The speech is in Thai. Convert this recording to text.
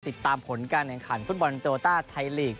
ติดตามผลการแข่งขันฟุตบอลโตต้าไทยลีก